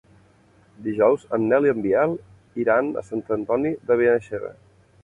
Dijous en Nel i en Biel iran a Sant Antoni de Benaixeve.